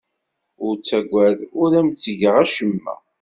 Ur ttagad. Ur am-ttgeɣ acemma.